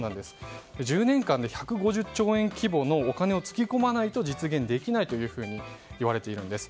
１０年間で１５０兆円規模のお金をつぎ込まないと実現できないというふうにいわれているんです。